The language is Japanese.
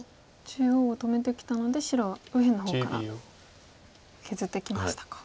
中央を止めてきたので白は右辺の方から削ってきましたか。